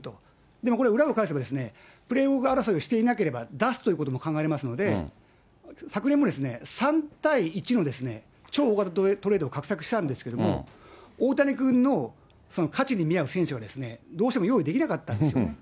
でもこれ、裏を返せば、プレーオフ争いをしていなければ、出すということも考えられますので、昨年も、３対１の超大型トレードを画策したんですけれども、大谷君の、その価値に見合う選手が、どうしても用意できなかったんですよね。